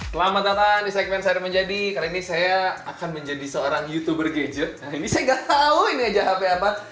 seperti apa syutingnya jadi seorang youtuber gadget